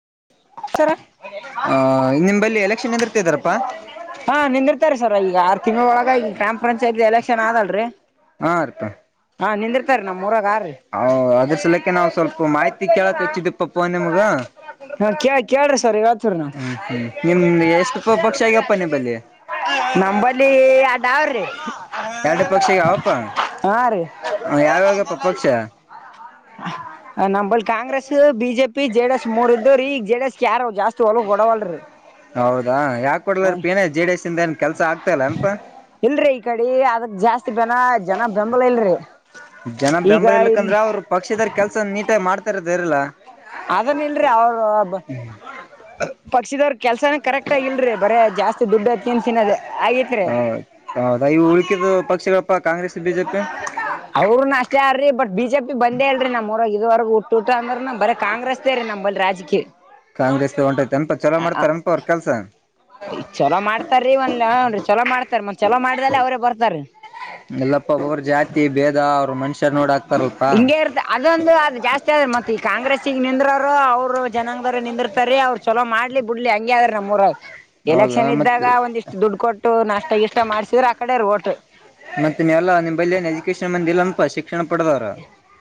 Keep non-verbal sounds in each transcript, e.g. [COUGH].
[UNINTELLIGIBLE] ಆ ನಿಮಲ್ಲಿ ಎಲೆಕ್ಷನ್ ನಿಂದರ್ತಿದಾರಪ್ಪಾ. ಈ ಆರು ತಿಂಗಳೊಳಗ ಈ ಗ್ರಾಮ್ ಪಂಚಾಯತ್ ಎಲೆಕ್ಷನ್ ಆದಲ್ರಿ ಹ ಅದ್ರ ಸಲಕ್ಕೆ ನಾವ್ ಸ್ವಲ್ಪ ಮಾಹಿತಿ ಕೇಳಕ್ ಹೆಚ್ಚಿದಿಪ್ಪ ನಿಮ್ಗ ಕೇಳ ಕೇಳ್ರಿ ಸರ್ ಹೇಳ್ತವ್ರಿ ನಾವ್ ಹ್ಮ ಹ್ಮ್ ನಿ ಎಷ್ಟು ಪ ಪಕ್ಷಿ ಆಗಪ್ಪ ನಿ ಬ ಅಲ್ಲಿ. ನಂಬಲ್ಲಿ ಆ ಡಾವರೀ. ಎರಡು ಪಕ್ಷಿಗೆ ಯಾವಪ್ಪ ಹಾ ರೀ ಯಾವಾಗಪ್ಪ ಪಕ್ಷ. ನಮಲ್ಲಿ Congress BJP JDS ಮೂರ್ ಇದ್ದವ್ರ ಈ ಜೆಡಿ ಎಸ್ ಯಾರ ಹೌದಾ ಯಾಕ್ ಹ ಕೊಡ್ಲಾರ ಪ ಏನ ಜೆಡಿಸ್ಂದ ಏನ್ ಕೆಲ್ಸ ಆಗ್ತಲ್ಲ ಅಪ ಇಲ್ರರಿ ಈ ಕಡೆ ಅದಕ್ ಜಾಸ್ತಿ ಬೆನ ಜನ ಬೆಂಬಲ ಇಲ್ರಿ. ಜನ ಈಗ ಬೆಂಬಲ ಇಲಕಂದ್ರ ಇಲ್ಲಿ ಅವ್ರು ಪಕ್ಷದರ ಕೆಲ್ಸ ನೀಟಾಗಿ ಮಾಡ್ತ ಇದ ಇರಲ್ಲ. ಅದನ್ ಎನ್ರೀ ಅವರು ಪಕ್ಷಿದಾರ್. ಕೆಲ್ಸನು ಕರೆಕ್ಟ್ ಇಲ್ರಿ ಬರೇಜಾಸ್ತಿ ದುಡ್ಡು ಹೊತ್ತು ಕೊಂಡು ತಿನ್ನದೆ. ಹಾ ಹೌದು ಇವು ಉಳುಕಿದ್ ಪಕ್ಷಿಗಳ ಪಾ ಅವರು ನಾ ಕ್ಯಾರೆ ಬಟ್ ಬಿ ಜೆ ಪಿ ಬಂದೇ ಇಲ್ರೀ ನಮ್ಊರಾಗೂ ಇದುವರೆಗೂ ತುರುಕ ಅಂದ್ರೂನು ಬರೇ ಕಾಂಗ್ರೆಸ್ ದೇ ನಮ್ಮಲ್ಲಿ ರಾಜಕೀಯಿ. ಕಾಂಗ್ರೆಸ್ ಗಂಟತಂತ ಚೆನ್ನಾಗಿ ಮಾಡ್ತಾರನಪಾ ಅವ್ರ ಕೆಲ್ಸ. ಈ ಚಲೋ ಮಾಡ್ತಾರೀ ಒಂದು ಹ ಚಲೋ ಮಾಡ್ತಾರೆ ಮತ್ ಚಲೋ ಮಾಡ್ದಲ್ಲ ಅವ್ರೇ ಬರ್ತಾರೀ. ಕರ್ಮುರಿ ಜಾತಿ ಭೇದ ಅವ್ರ ಮನುಷ್ಯ. ಹಿಂಗೆ ಇರ್ತ ಅದೊಂದು ಅದು ಜಾಸ್ತಿ ಆದ ಮತ್ತ್ ಈ ಕಾಂಗ್ರೆಸ್ಸಗೆ ನಿಂದ್ರೋರು ಅವರು. ಜನಂಗದಾರ ನಿಂದಿರ್ತಾರ ಅವ್ರರು ಚಲೋ ಮಾಡ್ಲಿ ಬಿಡ್ಲಿ ಹಂಗ್ಯ ಆವ್ರು ನಮ್ಮೂರವರು. ಹೌದಾ ಎಲೆಕ್ಷನ್ ಮತ್ ಇದ್ದಾಗ ಒಂದಿಷ್ಟ್ ದುಡ್ಡು ಕೊಟ್ಟು ನಷ್ಟ ಗಿಷ್ಟ ಮಾಡ್ಸಿದ್ರ ಆ ಕಡೆಯವರು ಓಟ್. ಮತ್ತೆ ನೀವೆಲ್ಲಾ ನಿಮ್ಮ್ ಬಲ್ಲಿ ಏನ್ ಎಜುಕೇಶನ್ ನಮ್ದು ಇಲ್ಲ ಅನಪಾ ಶಿಕ್ಷಣ ಪಡದವ್ರು.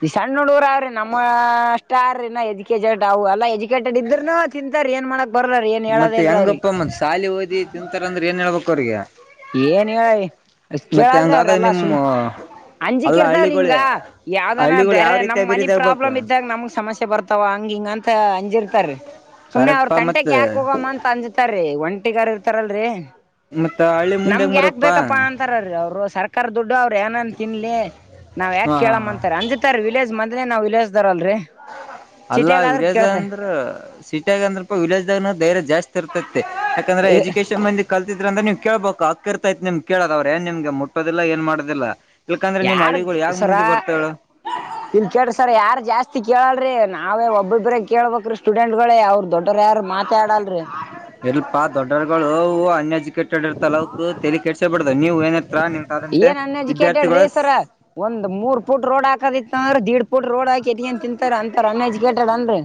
ಇ ಸಣ್ಣುಡುಗುರು ಆರ್ರಿ ನಮ್ಮ ಅಷ್ಟರಿ ಇನ್ನುಎಜುಕೇಶನ್ ಟವ ಅಲ್ಲಾ ಎಜು ಕೆಟ್ಟು ಬಿದ್ರೂನು ತಿಂತಾರ್ ಏನ್ ಮಾಡಕ್. ಬರ್ಲಾರ ಏನ್ ಮತ್ತೆ ಹೇಳದಿಲ್ರಿ ಅವ್ರಿಗೆ ಹೆಂಗಪ್ಪ ಮತ್ ಸಾಲಿ ಓದಿ ತಿಂತಾರ ಅಂದ್ರೆ ಏನ್ ಹೇಳ್ಬೇಕು ಅವ್ರಗೆ. ಏನ್ ಹೇಳಿ ಕೇಳಾದ್ರಿ ಹಂಗಾದಾಗ ಅವ್ರೆಲ್ಲ ಸುಮ್. ನಿಮ್ಮ ಅಂಜಿಕ ಅಲ್ಲ ಇರ್ದಾರಿಂದ ಹಳ್ಳಿಗಳೇ ಯಾವ್ದಾನ ಹಳ್ಳಿಗಳು ಯಾವ ಬೇರೆ ರೀತಿ ನಮ್ ಮನಿ ಅಭಿವೃದ್ಧಿ ಆಗ್ಬೇಕ ಪ್ರಾಬ್ಲಮ್ ಇದ್ದಾಗ ನಮ್ಗ್ ಸಮಸ್ಯೆ ಬರ್ತ. ವ ಹಂಗ್ ಹಿಂಗ್ ಅಂತ ಅಂಜಿರ್ತಾರೆ ಸುಮ್ನೆ ಅವ್ರ ಕರೆಕ್ಟ್ಪಾ ಮತ್ ತಂಟೆಗೆ ಯಾಕ ಹೋಗಮ್ಮ ಅಂತ ಅಂಜುತಾರೀ ಒಂಟ ಟ್ಟಿಗಾರು ಇರ್ತಾರಲ್ರಿ. ಮತ್ತ ಹಳ್ಳಿ ಮುಂದೆಂಗ ನಮ್ಗೆ ಯಾಕ್ ಬರಕ್ಪಾ ಬೇಕಪ್ಪಾ ಅಂತಾರೀ ಅವರು ಸ ಕರ್ ದುಡ್ಡು ಅವರೇ ಏನನ್ ತಿನ್ಲಿ ನಾವ್ ಯಾಕ್ ಹಾ ಹಾ ಕೇಳ್ ಹಾ ಅಂತಾರೆ ಅಂಜತಾರೆ ವಿಲೇಜ್ ಮಂದಿ ನಾವ್ ವಿಲೇಜ್ ದರಲ್. ಅಲ್ಲ ವಿಲೇಜ್ ಅಂದ್ರು ಸಿಟಿಯಾಗುಅಂದು ಬಿಟ್ಟು ವಿಲೇಜನ್ ಧೈರ್ಯ. ಜಾಸ್ತಿ ಇರ್ತೈತೆ ಯಾಕಂದ್ರೆ ಎಜುಕೇಶಷನ್ ಮಂದಿ ಕಲ್ತಿದ್ರೆ ಅಂದ್ರೆ ನೀವು ಕೇಳ್ಬೇಕು. ಹಕ್ ಇರ್ತೈತೆ ನಿಮ್ ಕೇಳೋದು ಅವ್ರ ಏನ್ ನಿಮಗೆ ಮುಟ್ಟೋದಿಲ್ಲ ಏನ್ ಮಾಡೋದಿಲ್ಲ. ಇಲ್ಕಂದ್ರೆ ನಿಮ್ ಯಾರುಗ್ ಹಳ್ಳಿಗಳು ಯಾಕ ಸರ ಮುಂದೆ ಬರ್ತಾಳ ಇಲ್ ಕೇಳ್ರಿ ಸರ ಯಾರು ಜಾಸ್ತಿ ಕೇಳಲ್ರೀ. ನಾವೇ ಒಬ್ಬೊಬ್ಬರೇ ಕೇಳ್ಬೇಕ್ರೀ ಸ್ಟೂಡೆಂಟ್ ಗಳೇ ಅವ್ರರು ದೊಡ್ಡವರು ಯಾರು ಮಾತಾಡಲ್ರರಿ. ಇಲ್ಪಾ ದೊಡ್ಡವರುಗಳು ಅವು ಅನ್ ಎಜುಕೇ ಕೆಟ್ಟಿಡೇ ತಲಾವುಕೂ ತಲಿ ಕೆಡಿಸ್ಕೋಬಾರ್ದು ನೀವು ಏನ್ ಇರ್ತಾ ನೀಟಾದಂತೆ ಏನ್ ಅನ್ಎಜುಕೇಟೆಡ್ ರೀ ವಿದ್ಯಾರ್ಥಿಗಳೇ ಸರ ಮೂರ್ ಫುಟ್ ರೋಡ್ ಹಾಕದಿಕ್ಕರ್ ದೀಡುಪುಡು. ಅನ್ರಿ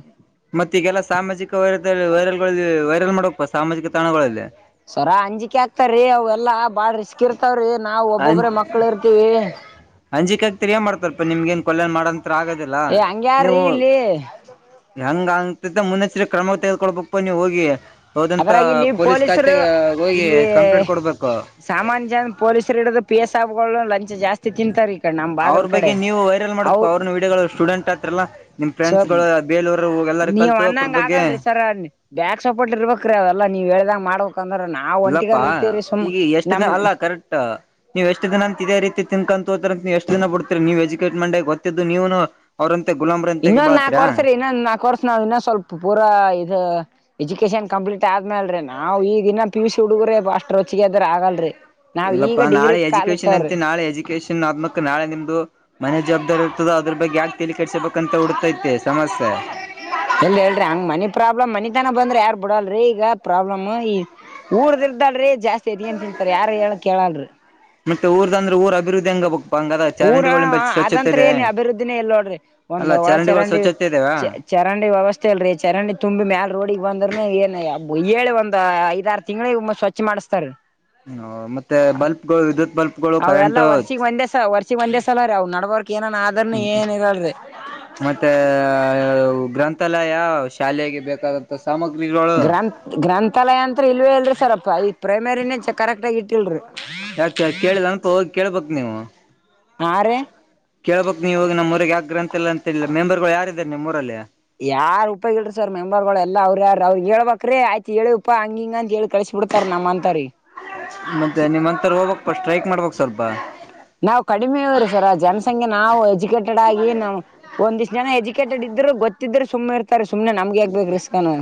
ಮತ್ತೆ ಈಗೆಲ್ಲ ಸಾಮಾಜಿಕ ವೈರತಲ್ ವೈರಲ್. ಗಳಲ್ಲಿ ವೈರಲ್ ಮಾಡಪ್ಪ ಸಾಮಾಜಿಕ ತಾಣಗಳಲ್ಲಿ. ಸರಾ ಅಂಜಿಕೆ ಆಗ್ತಾರ್ರೀ ಅವೆಲ್ಲಾ ಬಾಳ ರಿಸ್ಕ್ ಇರ್ತಾವ್ರಿ. ನಾವು ಒಬ್ಬೊಬ್ರ ಮಕ್ಕಳು ಇರ್ತಿವಿ. ಅಂಜಿಕಾಕ್ತಿರಿ ಮಾಡ್ತಾರಲ್ಪ ನಿಮ್ಗೆ ಏನ್ ಕೊಲ್ಯನ್ ಮಾಡಂಂತ ಆಗೋದಿಲ್ಲ ಏ ಹಂಗ್ಯಾರೀ ನೀವೊಲ್. ಇಲ್ಲಿ ಹೆಂಗ ಅಂತ ಮುನ್ನೆಚ್ಚರಿ ಕ್ರಮ ತೆಗೊಳ್ಬೇಕು ಪ ನೀವ್ ಹೋಗಿ. ಹೌದಂತ ಆದ್ರಗಿಲ್ಲಿ ಪೊಲೀಸ್ ಪೊಲೀಸರು ಖಾತೆಗೆ ಹೋಗಿ ಇಲ್ಲಿ ಕಂಪ್ಲೇಂಟ್ ಕೊಡ್ಬೇಕು ಸಾಮಾನ್ಯ ಜನ ಪೊಲೀಸರು ಇಡುದು. ಪೇಸಾಬ್ ಗಳು ಲಂಚ್ ಜಾಸ್ತಿ ತಿಂತರೀ. ಅವ್ರ ಬಗ್ಗೆ ನೀವು ವೈರಲ್ ಮಾಡ್ಬೇಕು ಅವ್ರುನೂ ವೀಡಿಯೋಗಳು ಸ್ಟೂಡೆಂಟ್ ಆತ್ರಲ್ಲ ನಿಮ್ ಸೊ ಫ್ರೆಂಡ್ಸ್ಗಳು ಬೇಲೂರ್. ನೀವ್ ಅನ್ನಂಗೆ ಆಗಲ್ರಿ ಸರ್ ಬ್ಯಾಕ್ ಸಪೋಟ್ ಇರರ್ಬೇಕು ರೀ ಅವೆಲ್ಲಾ ನೀವು ಹೇಳ್ದಂಗ ಮಾಡ ಇಲ್ಲಪ್ಪಾ ಈಗ ಎಷ್ಟು ನಮ್ ದಿನ ಅಲ್ಲ ಕರೆಕ್ಟ್ ನೀವ್ ಎಷ್ಟು ದಿನ ಅಂತ ಇದೇ ರೀತಿ ತಿನ್ಕಂತು ಹೋದ್ರ ನೀವ್ ಎಷ್ಟು. ತಿನ್ನಬಿಡ್ತರೀ ನೀವು ಎಜುಕೇಟ್ ಮಂಡೆ ಗೊತ್ತಿದ್ದು ನೀವುನೂ ಅವ್ರ್. ಇನ್ನೊಂದ್ ನಾಕ್ ವರ್ಷ ರೀ ಇನ್ನೊಂದ್ ನಾಲ್ಕು ವರ್ಸ್ ನಾವ್ ಇನ್ನೊ ಸ್ವಲ್ಪ ಪೂರ ಇದು ಎಜುಕೇಶನ್. ಕಂಪ್ಲೀಟ್ ಆದ್ಮೇಲ್ರಿ ನಾವು ಈಗಿನ ಪಿಯು ಸಿ ಹುಡುಗರೇ ಅಷ್ಟು ರೊಚ್ಚಿಗೆದ್ರೆ ಆಗಲ್ರರಿ. ಇಲ್ಲಪ್ಪಾ ನಾಳೆ ಎಜುಕೇಶನ್ ಅಂತ ನಾಳೆ ಎಜುಕೇಶನ್ ಆದ್ಮಕ್ ನಾಳೆ ನಿಮ್ದು ಮನೆ ಜವಾಬ್ದಾರಿ ಇರ್ತದ ಅದ ಬಗ್ಗೆ ಯಕ ತಿಲಿಕಿಸಬೇಕು ಎಲ್ಲಿ ಹೇಳ್ರಿ ಹಂಗ ಮನಿ ಪ್ರಾಬ್ಲಮ್ ಮನಿ ನ ಬಂದ್ರೆ ಯಾರ್ ಬಿಡಲ್ರೀ ಈಗ ಪ್ರಾಬ್ಲಮ್ ಈ ಊರ್ದ ಇರ್ದಲ್ರೀ ಜಾಸ್ತಿ ಸರಿ ಅನ್ ತಿಂತಾರೆ ಯಾರ ಹೇಳಕ್ ಕೇಳನ್ರಿ ಮತ್ತೆ ಊದ ಅಂದ್ರೆ ಊ ಅಭಿವದ್ಧಿಂಗ ಬ ಊರ ಸ್ವಚ್ಛತೆ ಅದಂತ್ರ ಇದೆ ಏನ ಅಭಿವೃದ್ಧಿನೇ ಇಲ್ ನೋಡ್ರಿ ಅಲ್ಲ ಒಂದು್ ಒಳ ಚರಂಡಿಗಳು ಚರಂಡಿ ಸ್ವಚ್ಛತೆ ಇದಾವ ಚರಂಡ ವ್ಯವಸ್ತೆ ಲ್ರಿ ಚರಂಡಿ ತುಂಬಿ ಮೇಾಲ ರೋಡಿಗೆಗ್ ಬಂದ್ರ ಏ ಹೇಳಿ ಒಂದ್ ಐದ ಆರು ತಿಂಗಳ ಸ್ವಚ್ಛ ಮಾಡ ತಾರ ಹ ಮತ್ತೆ ಬಲ್ಪ್ಗಳು ವಿದ್ಯುತ್ ಬಲ್ಪ್ಗಳು ಕರೆಂಟ್ ಸ್ಥಾಲರ ನುವವರ್ ಹ್ಮ್ ಮತ್ತೆ ಗ್ರಂಥ ಲ ಯಾ ಶಾಲೆಗೆ ಬೇಕಾದಂತ ಸಾಮಗ್ರಿಗಳು ಗ್ರಂಥ ಗ್ರಂಥಾಲಯ ಅಂತ ಇಲ್ವೇ ಇಲ್ರಿ ಸರ್ಲ್ಪಐ್ ಪ್ರೈಮರಿನೇ ಕರೆಕ್ಟ್ ಆಗ ಇಟ್ಟಿಲ್ರರಿ ಯಾಕ ಕೇಳಿಲ್ಲ ಅಂತ ಹೋಗಿ ಕೇಳ್ಬಕ್ ನೀವು ಹಾ ರೀ ಕೇಳ್ಬಕ್ ನೀವ ನಮ್ಮ್ೂಊಗೆ ಆ ಗ್ರಂಥಲ್ಲ ಅಂತಿಲ್ಲ ಮೆಂಬರ್ಗಳು ಯಾರಾರೆ ನಿಮ್ಮ್ೂಊರಲ್ಲಿ ಯಾರ ಉಪ್ಪಗಲ್ರಿಿ ಸರ್ ಮೆಂಬರ್ಗಳು ಎಲ್ಲ ಅವ್ರ ಯಾರ ಅವ್ರರು ಹೇಳ್ಬಕ್್ರೀ ಆಯ್ತ ಹೇಳಿ ಉಪ್ಪಾ ಹಂಗ ಹಿಂಗ ಅಂತ ಹೇಳಿ ಕಳಸ ಚುಡ್ತಾರೆ ನಮ್ಮ ಅಂತಾರಿೀ ಮತ್ತೆ ನಿಮ್ಂತರ ಹೋಗ್ಕ್ ಪ ಸ್ಟ್ರೈಕ್ ಮಾಡ್ಬಕ್ ಸ್ವಲ್ಪ ನಾವ್ ಕಡಿಮೆ ಇ್ರೀ ಸರ ಜನಸಂಖ್ಯೆ ನಾವು ಎಜುಕೇಟೆಡ್ ಆಗಿ ನಾವ್ ಒಂದಿಷ್ಟ ಜನ ಎಜುಕೇಟೆಡ್ ಇದ್ರು ಗೊತ್ತಿದ್ೆ ಸುಮ್ಮನೆ ಇರ್ತಾರೆ ಸುಮ್ನೆ ನಮ್ಗೆ ಆಗ್ಬೇಕು ರಿಸ್ಕನು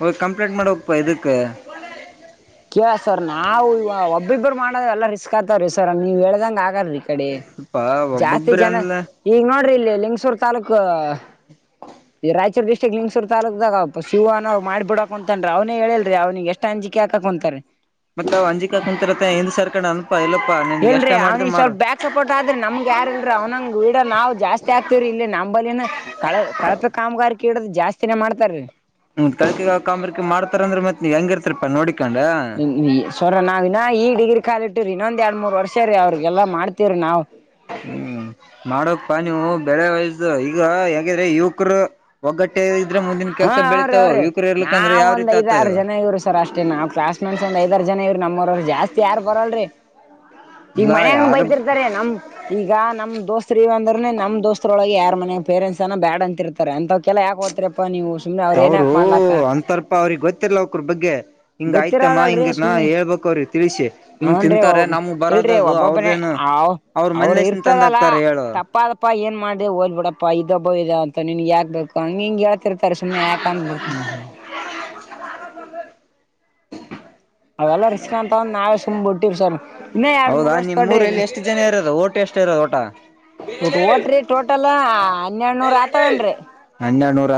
ಹೋಗಿ ಕಂಪ್ಲೇಂಟ್ ಮಾಡ್ಬೇಕಪ್ಪ ಇದಕ್ಕೆ ಕ ಸರ್ ನಾವವು ಒಬ್ಬಿಬ್ಬರು ಮಾಡದ ಎಲ್ಲಾ ರಿಸ್ಕ್ ಆತವ್ರೀ ಸರ್ ನೀವ್ ಹೇಳ್ದಂಗ ಆಗರರಿ ಕಡೆ ಸ್ವಲ್ಪ ಜಾಸ್ತಿ ಒಬ್ಬೊಬ್ಬ್ರ ಜನ ಅಂದ್ಲ ಈಗ ನೋಡ್ರಿ ಇಲ್ಲಿ ಲಿಂಗ್ಸೂರ್ ತಾಲೂಕು ಈ ರಾಯಚೂರು ಡಿಸ್ಟ್ರಿಕ್ ಲಿಂಗ್ಸೂ ತಾಲೂಕ್ದಾಗ ಶಿವ ಅನೋ್ ಮಾಡ್ಬ ಬಿಡಪ್ಪ ಅಂತನ್ ಅವನೇ ಹೇಳಲ್ರಿ ಅವನಿಗೆ ಎಷ್ಟ ಅಂಜಿಕೆ ಆಗ್ ತಗೊಂತಾರೆ ಮತ್ತತ್ ಅವ್ ಅಂಜಿಕಾ ಕುಂತರತ್ತ ಹಿಂದ್ ಸರ್ಕೊಂಡ್ ಅನಪಾ ಎಲ್ಲಪ್ಪಾ ಇಲ್ರರಿ ಅವ್ನಿ ಸ್ವಲ್ಪ ಬ್ಯಾಕ್ ಸಪೋರ್ಟ್ ಆದ್ರೆ ನಮ್ಗ್ ಯಾರಲ್ರರಿ ಅವ್ನಂಗ್ ಗೀಡ ನಾವು ಜಾಸ್ತಿ ಆಗ್ತಿವರಿ ಇಲ್ಲಿ ನಮ ಕಳ ಕಳಪ ಕಾಮಗಾರಿ ಇಡೋದು ಜಾಸ್ತಿನೇ ಮಾಡ್ತಾರರಿ ಹ್ಮ ಕಳಕಿ ಕಾಮಂಬ್ರಿ ಮಾಡ್ತಾರ ಅಂದ್ರ ಮತ್ ನೀವ ಹೆಂಗಿರ್ತರಿಪಾ ನೋಡಿ ಸರ ನಾವ್ ಇಾ ಈ ಡಿಗ್ರಿ ಕಾಲಿ ಇಟ್ಟ್ರರಿ ಇನ್ನೊಂದ ಎರಡ್ ಮೂರ್ ವರ್ಷ ರೀ ಅವ್ರಿಗೆಲ್ಲಾ ಮಾಡ್ತೀವ್ರಿ ನಾವು ಹ್ಮ್ ಮಾಡೋಕ್ ಪ ನೀವು ಬೆಳೆ ವಯಸ್ದ ಈ ಈಗ ಹೇಿದ್ರೆ ಯುವಕರು ಒಗ್ಗಟ್ಟೆ ಇದ್ರೆ ಮುಂದೆ ಹಾ ಅವ್್ರರಿ ಅವ್ರೀ ನಾವ್ ಒಂದ ರೀತಿ ಆಗ್ತದ ಐದಾರು ಜನ ಇವ್ರಿ ಸರ್ ಅಷ್ಟೇ ನಾವ್ ಕ್ಲಾಸ್ ಮೇಟ್ಸ್ ಒಂದ್ ಐದಾರು ಜನ ಇವ್ರಿ ನಮ್ಮರು ಜಾಸ್ತಿ ಯಾರ್ು ಬರಲ್ರಿ ಈಗ ಇಲ್ಲ ಮನ್ಯಾಗ ಯಾರು ಬೈತಿರ್ತಾರೆ ನಮ ಈಗ ನಮ್ ದೋಸ್ತ್ ಇವ ಅಂದ್ರೆ ನಮ್ಮ ದೋಸ್್ರಳಗೆ ಯ ಮನ್ಾಗ ಪೇರೆಂಸ್ಏನ ಬ್ಯಾಡ್ ಅಂತ ಇರ್ತಾರೆ ಅಂತ ಕೆಲ್ಲ ಯಾಕಕ್ ಹತ್ರಿಪ್ಪಾ ನೀವು ಸುಮ್ನೆ ಅವರು ಏನ್ ಯಾಕ ಮಾಡ್ಲಾಕ್ಕ ಅಂತರ್ಪ ಅವ್ರಿಗೆ ಗೊತ್ತಿಲ್ಲ ಅವಕ್ರ ಬಗ್ಗೆ ಹಿಂಗ ಗೊತ್ತಿರ ಆಯ್ತಮ್ಮ ಲ್ೀ ಹಿಂಗನ ಸುಮನೆ ಹೇಳ್ಬೇಕ ಅವ್ರಿಗೆ ತಿಳಿಸಿ ಹಿಂಗ್ ಹನ್ರಿ ತಿಂತಾರೆ ನಮಗ್ ಇಲ್ರಿ ಬರೋದದು ಒಬ್ಬೊಬ್ಬನ ಅವ್ರದೇನು ಅವ್ರ ಅವರು ಮನ್ಲಸನ್ ತಂದ ಇರ್ತದಲ್ಲ ಹಾಕ್ತಾರ ಹೇಳು ತಪ್ಪ ಅದಪ್ಪಾ ಏನ್ ಮಾಡ್ದ ಓದ್ಬ ಬಿಡಪ್ಪ ಇದಬ್ಬ ಇ ಅಂತ ನಿನ್ ಯಾಕ್ ಬೇಕು ಹಂಗ ಹಿಂಗ ಹೇಳ್ತಿರ್ತಾರ ಸುಮ್ನೆ ಯಾಕ ಅಂದಬಿಡ್ತಿ [INAUDIBLE] ಅವೆಲ್ಲ ರಿಸ್ಕ್ ಅಂತ ಒಂದ್ ನಾಾವೆ ಸುಮ ಬಿಟ್ಟಿವ್ ಸರ್ ಇನ್ನ ಎರಡ್ ಹೌದಾ ಮೂರ್ ವರ್ಷ ತೊಡ್ರಿನ್ ತೋಟ ಊಟ್ ಓಟ್ರಿ ಟೋಟಲ್ ಹನ್ನೆರನೂರ ಆತವನ್ರಿ ಹನ್ನ್ಣುರ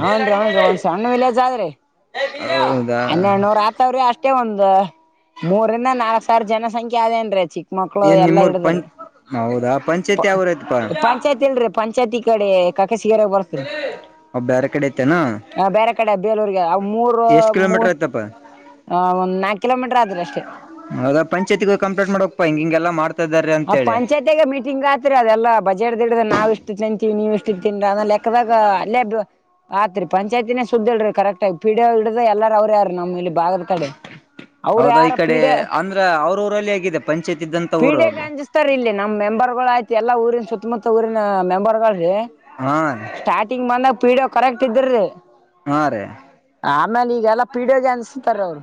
ಹ್ನ್ೀ ಅವ್ನ್ರಿ ಒನ್್ ಸಣ್ಣ ವಿಲೇಜ್ ಆದ್ರಿ ಹೌದಾ ಹನ್ನೆರಡುನೂರ ಆತವ್ರಿ ಅಷ್ಟ ಮತ್ತೆ ಒಂದು ಮೂರಿಂದ ನಾಲ್ಕ್ ಸಾವಿರ ಜನಸಂಖ್ಯೆ ಅದೇನ್ರೀ ಚಿಕ್ಕ ಮಕ್ಳು ಏನ್ ಎಲ್ಲಾ ನಿಮ್ಮೂರ್ ಪಂ ಇಡದ್ರ ಹೌದಾ ಪಂಚಾಯತಿ ಯಾವೂರ್ ಐತಪಾ ಪಂಚಾಯತಿ ಇಲ್ರಿ ಪಂಚಾಯತಿ ಕಡೆ ಕಾಕಸಿಿಗೆರೆ ಬರ್ತರಿ ಬೇರೆ ಕಡೆ ಐತೆೇನಾ ಆ ಬೇರೆ ಕಡೆ ಬೇಲೂರಿಗೆ ಮೂರು ಎಷ್ಟ್ ಮೂ ಕಿಲೋಮೀಟರ್ ಐತಪ್ಪ ಹ ಒಂದ್ ನಾಕ್ ಕಿಲೋಮೀಟರ್ ಆದ್ರ ಅಷ್ಟೇ ಹೌದಾ ಪಂಚಾಯತಿಗ ಕಂಪ್ಲೇಂಟ್ ಮಾಡಕ್ಪ್ಪಾ ಹಿಂಗ ಹಿಂಗೆಲ್ಲಾ ಮಾಡ್ತಾ ಇದಾರೆ ಆ ಅಂತೇಳಿ ಪಂಚಾಯತಿಗ ಮೀಟಿಂಗ್ ಆತ್ರಿ ಅದೆಲ್ಲ ಬಜ ಿಡ್ದಿಡ್ದ ನಾವ ಎಷ್ಟು ತಿಂತೀವಿ ನೀವು್ ಎಷ್ಟು ತಿನ್ರ ಅದಲೆಕ್ಕದಾಗ ಅೇ ಆತ್ರಿ ಪಂಚಾಯತಿನೇ ಸುದ್ದ ಇಲ್ರಿ ಕರೆಕ್ಟ್ ಆ ಪಿಡ ಹಿಡ ಎಲ್ಲಾರ ಅವ್ರ ಯಾರ ನಮ್ಮ ಇಲ್ಲಿ ಭಾಗದ ಕಡೆ ಅವ್ರು ಹೌದಾ ಯಾರ ಈ ಪಿ ಕಡೆ ಡಿ ಅಂದ್ರ ಅವ್ರ ಊರಲ್ಲಿ ಹೇಗಿದೆ ಪಂಚಾಯತ್ ಇದ್ದಂತ ಊರು ಅಂಜಿಸ್ತಾರ್ ಇಲ್ಲಿ ನಮ್ಮ್ ಮೆಂಬರ್ ಗಳು ಆಯ್ತ ಎಲ್ಲ ಊರಿನ ಸುತ್ತಮುತ್ತ ಊರಿನ ಮೆಂಬರ್ ಗಳೀ ಹಾ ಸ್ಟಾರ್ಟಿಂಗ್ ಬಂದಾಗ ಪೀಡೋ ಕರೆಕ್ಟ್ ಇದ್ರಿ ಹಾ ರೀ [INAUDIBLE] ಆಮೇಲೆ ಈಗೆಲ್ಲ ಪೀಡಿಯೋ ಜೆನ್ಸ ತಾರೆ ಅವರು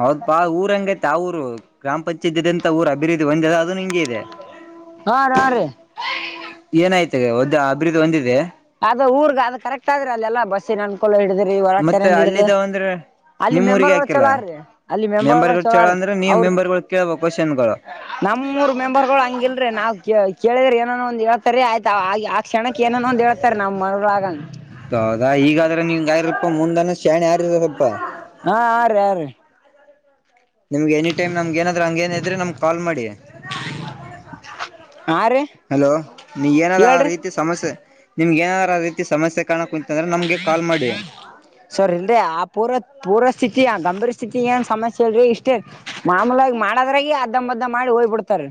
ಹೌದ ಬಾ ಊರ ಹಂಗೈತೆ ಆ ಊರು ಗ್ರಾಮ ಪಂಚಾಯತ್ಂತ ಊರ ಅಭಿವೃದ್ಧಿ ಒಂದಿದೆ ಅದದು ಹಿಂಗಗೆ ಇದೆ ಹಾ ರ ಹಾ ರೀ ಒದ್ ಅಭಿವೃದ್ಧಿ ಒಂದಿದೆ ಅದ ಊರ್ಗ ಅದ ಕರೆಕ್ಟ್ ಆದ್ರ ಅಲ್ಲ ಎಲ್ಲಾ ಬಸ್ಸಿನ ಅನ್ಕೊಳ್ಳ ಹಿಡಿದ್ರಿ ಹೊರ ಮತ್ತೆ ಚನ್ನಂಡ್ ಹಿಡ್ದು ಅಲ್ಲಿದ್ದ ಅಂದ್ರೆ ಅಲ್ಲಿ ನಿಮ್ಮ್ ಊರಿಗೆ ಮೆಂಬರ್ಗಳು ಹಾಕಿಲ್ಲ ಚಲೋ ಅಲ್ಲಿ ಮೆಂಬರ್ಗಳು ಚೇಳ ಚಲೋ್ರಿ ಅಂದ್ರೆ ನೀವ್ ಅವ್ರ ಮೆಂಬರ್ಗಳು ಕೇಳ್ಬೇಕು ಕ್ವಶನ್ಗಳು ನಮ್ಮೂರ್ ಮೆಂಬರ್ ಗಳು ಹಂಗಿಲ್ರಿ ನಾವು ಕೇಳಿದ್ರೆ ಏನ ಒಂದ್ ಹೇಳ್ತಾರೀ ಆಯ್ತ ಆ ಆ ಕ್ಷಣಕ್ ಏನಾನ ಒಂದ್ ಹೇಳ್ತಾರ ನಮ್ ಮನಗ ಅ ನೀ್ ಗರಲ್ಪ್ಪ ಮುಂದ ಸಣಿ [UNINTELLIGIBLE] ಹಾ ಆ ರೀ ಆ ರೀ ನಿಮ್ಗೆ ಎನಿ ಟೈಮ್ ನಮ್ಗ ಏನಾದ್ರೂ ಹಂಗೇನ ಇದ್ರೆ ನಮ್ಗ್ ಕಾಲ್ ಮಾಡಿ ಹಾ ರೀ ಹಲೋ ನೀಗ ಏನಾದ ಆ ಹೇಳ್ರಿ ರೀತಿ ಸಮಸ್ಯೆ ನಿಮ್ಗೆ ಏನಾರ ರೀತಿ ಸಮಸ್ಯೆ ಕಾಣಕ್ಕ ಕು ಸರಿ ಇಲ್ರಿ ಆ ಪೂರ ಪೂರ ಸಿ ಸ್ತಿ ಗಂಭೀರ ಸ್ಥಿತಿ ಏನ್ ಸಮಸ್ಯೆ ಇಲ್ರರಿ ಇಷ್ಟೇ ಮಾಮೂಲಾಗಿ ಮಾಡದ್ರಾಗ ಅದ್ದಂಬದ್ದ ಮಾಡಿ ಹೋಗ್ಬ ಬಿಡ್ತಾರ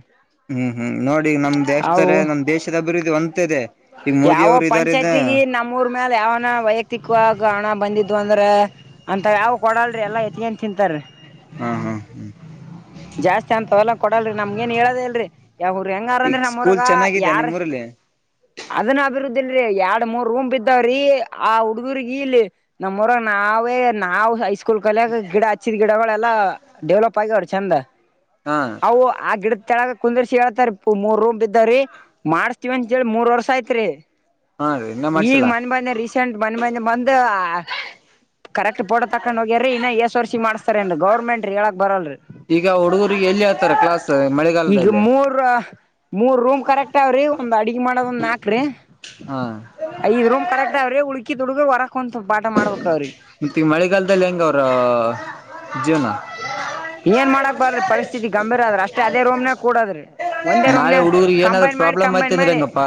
ಹ್ಮ್ ಹ್ಮ್ ನೋಡಿ ನಮ್ ದೇಶಾರೆ ನಮ್ ದೇಶದ ಅಭಿವೃದ್ಧಿ ಒಂತದೆ ಯಾವ ಪಂಚಾಯತಿಗ ನಮ್ಮೂಊರ್ ಮೇಾಲ ಯಾವನ ವೈಯಕ್ತಿಕವಾಗಿ ಹಣ ಬಂದಿದು ಅ ಂದ್ರ ಅಂತ ಯಾವ ಕೊಡಲ್ರಿ ಎಲ್ಲಾ ಎತ್ತಗನ್ ತಿಂತಾರರಿ ಹ್ಮ್ ಜಾಸ್ತಿ ಅಂತವಲ್ಲ ಕೊಡಲ್ರಿ ನಮಗಏನ್ ಹೇಳೋದ ಇಲ್ರರಿ ಯಾವ ಈಗ ಹೆಂಗಾರಂದ್ರಿ ಸ್ಕೂಲ್ ನಮ್ರಗ ಚೆನ್ನಾಗಿದ್ಯಾ ಯಾರ್ [UNINTELLIGIBLE] ಅಭಿವೃದ್ಧಿ ಇಲ್ರಿ ಎರಡ್ ಮೂರ್ ರೂಮ್ ಇದ್ದಾವ್ರೀ ಆ ಹುಡುಗರ್ ಇಲ್ಲಿ ನಮ್ಮರ ನಾವೇ ನಾವವು ಹೈಸ್ಕೂಲ್ ಕಲ್ಯಾಗ ಗಿಡ ಹಚ್ಚಿದ್ ಗಿಡಗಳೆಲ್ಲಾ ಡೆವಲಪ್ ಆಗ್ಯವ್್ರ ಚಂದ ಹಾ ಅವು ಆ ಗಿಡದ ತಳಗ ಕು [UNINTELLIGIBLE] ಹೇಳ್ತಾರ ಮೂರ್ ರೂಮ್ ಬಿದ್ದಾವ್ರೀ ಮಾಡ್ಸ್ತಿವವಿ ಅಂತೇಳಿ ಮೂರ್ ವರ್ಷ ಯತ್ರಿ ಹಾ ರೀ ಇನ್ನ ಈಗ್ ಮಾಡ್ಸಿಲ್ಲ ಮನ್ ಬಂದ ರೀಸೆಂಟ್ ಬನ್ ಬಂದ ಬಂದ ಕರೆಕ್ಟ್ೋಡತಕ್ಕ [UNINTELLIGIBLE] ಹಕೊಂಡ್ ಹೋಗ್ಯ್ರರಿ ಇನ್ನ ಎಏಸ್ ವರ್ಸಿ ಮಾಡ್ಸ್ತಾರೇನ್ ಗೌರ್ಮೆಂಟ್ ಹೇಳಕ್ ಬರಲ್ರಿ ಈಗ ಹುಡುಗರಿಗೆ ಎಲ್ಲಿ ಹೇಳ್ತಾರ ಕ್ಲಾಸ್ ಈಗ ಮಳೆಗಾಲದಲ್ಲಿ ಮೂರ ಮೂರ್ ರೂಮ್ ಕರೆಕ್ಟ್ ಅವಾವ್ರಿ ಒಂದ್ ಅಡ್ಗೆ ಮಾಡೋದ ಒಂದು ನಾಕು ಹಾ ಐದ್ ರೂಮ್ ಕರೆಕ್ಟ್ ಆ್ರೀ [UNINTELLIGIBLE] ಉಳಕಿ ತದುಡುಗ ಹೊರಕ್ ಕುಂತ್ ಪಾಠ ಮಾಡ್ಬೇಕ್ರ ಅವ್ರಿಗೆ ಮತ್ತೆ ಈಗ ಮಳೆಗಾಲದಲ್ಲಿ ಹೆಂಗ ಅವ್ರ ಜೀವನ ಏನ್ ಮಾಡಕ್ ಬರ್ರಿ ಪರಿಸ್ಥಿತಿ ಗಂಭೀರ ಆದ್ರ ಅಷ್ಟೇ ಅದೇ ರೂಮ್ ನ ಕೂಡದ್ರಿ ಒಂದೇ ರೂಮ್ ನಾಳೆ ನ ಹುಡುಗರಿಗೆ ಏನಾದ್ರು ಕಂಪನ ಮಾಡಿ ಪ್ರಾಬ್ಲಮ್ ಆಯ್ತ ಕಂಬೈನ್ ಅಂದ್ರೆ ಮಾಡಿ ಹೆಂಗಪ್ಪಾ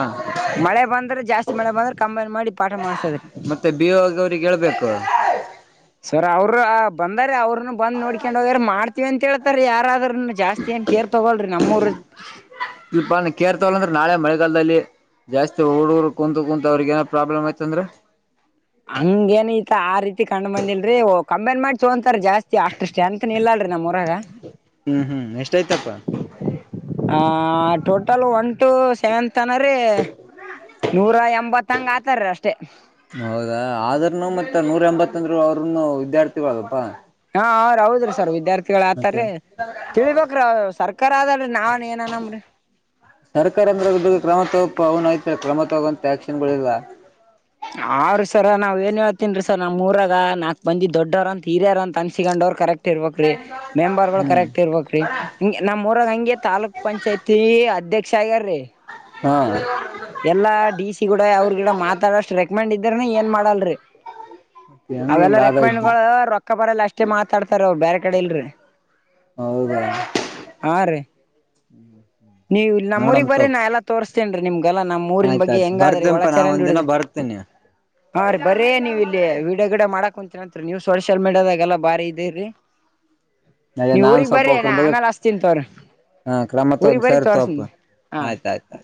ಮಳೆ ಬಂದ್ರೆ ಜಾಸ್ತಿ ಮಳೆ ಬಂದ್ರೆ ಕಂಬೈನ್ ಮಾಡಿ ಪಾಠ ಮಾಡಿ ಮತ್ತೆ ಬಿ [UNINTELLIGIBLE] ಅವ್ರಿಗೆ ಹೇಳ್ಬೇಕು ಸರ್ ಅವರು ಬಂದಾರ ಅವ್ರನು ಬಂದ್ ನೋಡ್ಕೊಂಡೋಗಾರ ಮಾಡ್ತೀವಿ ಅಂತ ಹೇಳ್ತಾರ ಯಾರಾದ್ರರು ಜಾಸ್ತಿ ಏನ್ ಕೇರ್ ತೊಗೋಳಿ ನಮ್ಮೂ್ರ ಇಪ ನ [UNINTELLIGIBLE] ಕೇರ್ತವಲ್ಲ [UNINTELLIGIBLE] ಅಂದ್ರೆ ನಾಳೆ ಮಳೆಗಾಲದಲ್ಲಿ ಜಾಸ್ತಿ ಹುಡುಗುರು ಕುಂತು ಕುೂಂತ ಅವ್ರಗ ಏನೋ ಪ್ರಾಬ್ಲಮ್ ಆಯತಂದ್ರ ಹಂಗ ಏನಐತ ಆ ರೀತಿ ಕ್ ಬಂದಿಲ್ರಿ ಕಂಬೈನ್ ಮಾಡಿ ತೊೋಂತಾರ ಜಾಸ್ತಿ ಅಷ್ಟು ಸ್ಟ್ರಂತ್ ಇಲ್ಲಲ್ರಿೀ ನಮ್ಮ ಹ್ಮ್ ಹ್ಮ್ ಎಷ್ಟಯ್ತಪ್ಪ ಆ ಟೋಟಲ್ ಒನ್ ಟು ಸೆವೆಂತ್ ಅನ್ರೀ ನೂರ ಎಂಬತ್ತಂಗ ಆತಾರೀ ಅಷ್ಟೇ ಆದ್ರನು ಮತ್ತ ನೂರ ಎಂಬತ್ತಂದ್ರು ಅವ್ರನು ವಿದ್ಯಾರ್ಥಿಗಳಪ್ಪಾ. ಹಾ ಹ ಅವ್ರ ಹೌದ್ರಿ ಸರ್ ವಿದ್ಯಾರ್ಥಿಗಳ ಮತ್ತೆ ಆತಾರೀ ತಿಳಿ ಬೇಕರಿ ಸರ್. ಕ್ಕರ ಅದಲ್ ನಾನ್ ಏನ ಅನಮ್ರಿ. ಸರ್ಕಾರ ಅಂದ್ರ ಯಾರಿಗೂ ಕ್ರಮ ತಗೋ [UNINTELLIGIBLE] ಐ್ತ ಕ್ರಮ ತಗೋಂತ ಆಕ್ಷನ್ಗಳಿಲ್ಲ. ಅವ್ರಿ ಸರ್ ನಾವ್ ಏನ್ ಹೇಳ್ತನ್ರಿ ಸರ್ ನಮ್ಮ್ ಮೂರಾಗ ನಾಕ್ ಬಂದಿ ದೊಡ್ಡವ್ರ ಅಂತ ಹಿರ್ಯರ ಅಂತ ಅನ್ಸಿಕೊಂಡವ್ ಕರೆಕ್ಟ್. ಇರ್ಬೇಕ ರೀ ಮೆಂಬರ್ ಗಳು ಹ್ಮ್ ಕರೆಕ್ಟ್ ಇರ್ಬ್ರೀ ಹ ನಮ್ಮ್ರಾಗ ಹಂಗೆ ತಾಲೂಕ್ ಪಂಚಾಯತಿ ಅಧ್ಯ ಕ್ಷ ಆಗ್ಯರಿ. ಹ. ಎಲ್ಲಾ ಡಿ ಸಿ ಗೂಡ ಅವ್ರ ಗಿಡ ಮಾತಾಡಷ್ಟ ರೆಕಮೆಂಡ್ ಇದ್ದಾರನ ಏನ್ ಮಾಡಲ್ರಿ. ಹೆಂಗ ಹಿಂಗ ಅವೆಲ್ಲ ಆದದ್ದು ರೆಕ್ಕಮಣ್ಣಗಳು ರೊಕ್ಕ ಬರಲ್ಲ ಅಷ್ಟೇ ಮಾತಾಡ್ತಾರ ಅವರು ಬೇರೆ ಕಡೆ ಇಲ್ರಿ. ಹೌದಾ. ನೀವು ಇಲ್ಲಿ ನಮ್ಮ ನೋಡಮ ಊರಿಗ್ ಬರೇ ತಗೋ ನಾ ಎಲ್ಲ ತೋರ್ಸ್ತೇನ್ ರೀ ನಿಮ್ಗೆ. ಲ್ಲ ನಮ್ಮ್ ಊರಿನ ಬಗ್ಗೆ ಆಯ್ತಾಯ್ತು ಹೆಂಗಾದ್ರಿ ಬರ್ತೇನಪಾ ನಾ ಒಳಚರಂಡ ಒಂದ್ ದಿನ ಹಿಡುದು. ಬರ್ತೀನಿ ಹಾ ರೀ ಬರೇ ನೀವ ಇಲ್ಲಿ ವಿಡೊ ಗಿಡೊ ಮಾಡಾಕ್ ಕುಂತೀರ ಅಂತ. ನೀವ್ ಸೋಶಿಯಲ್ ಮೀಡಿಯಾ ದಾಗ ಎಲ್ಲಾ ಬಾರಿ ಇದಿರಿ. ಅದೇ ನೀವ್ ನಾನ್ ಊರಿಗ್ ಸ್ವಲ್ಪ ಬರ್ರಿ ಒಕ್ರ ನಾ ಬಗ್ಗೆ ಆಮೇಲೆ ಹಚ್ಚತಿನಿ ತೊಗೊ ಹಾ ಕ್ರಮ ರಿ. ಊರಿಗ ತಗೊಂಡ್ ಬರಿ ಸರಿ ತೋಪ ತೊರಿಸಿನಿ ಹ. ಆಯ್ತಾಯ್ತು.